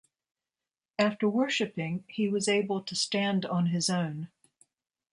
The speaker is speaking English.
After worshiping, he was able to stand on his own.